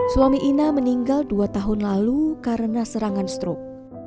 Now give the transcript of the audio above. suami ina meninggal dua tahun lalu karena serangan strok